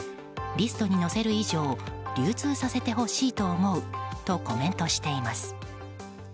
リストに載せる以上流通させてほしいと思うとコメントしています。